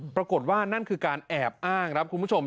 ปรากฏว่านั่นคือการแอบอ้างครับคุณผู้ชม